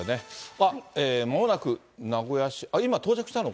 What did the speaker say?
あっ、まもなく名古屋市、今、到着したの？